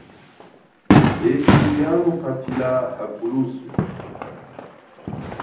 Yesu yamuphaphila, hakulusu.